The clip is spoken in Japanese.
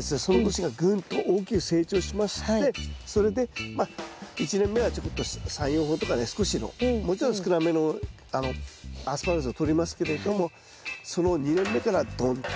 その年がぐんと大きく成長しましてそれでまあ１年目はちょこっと３４本とかね少しのもちろん少なめのアスパラガスがとれますけれどもその後２年目からドンと！